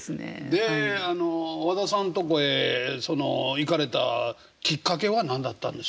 で和田さんとこへ行かれたきっかけは何だったんですか？